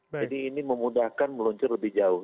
jadi ini memudahkan meluncur lebih jauh